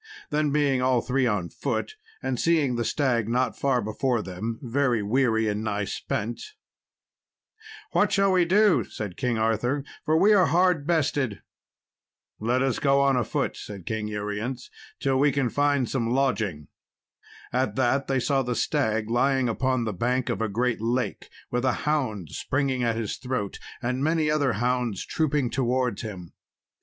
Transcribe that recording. Then being all three on foot, and seeing the stag not far before them, very weary and nigh spent "What shall we do," said King Arthur, "for we are hard bested?" "Let us go on afoot," said King Urience, "till we can find some lodging." At that they saw the stag lying upon the bank of a great lake, with a hound springing at his throat, and many other hounds trooping towards him.